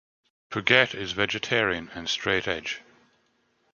Puget is vegetarian and straight edge.